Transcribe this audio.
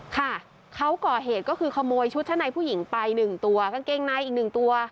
ค่ะเขาก่อเหตุก็คือขโมยชุดชั้นในผู้หญิงไป๑ตัวกางเกงในอีกหนึ่งตัว